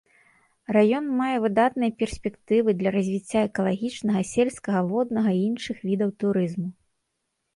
Раён мае выдатныя перспектывы для развіцця экалагічнага, сельскага, воднага і іншых відаў турызму.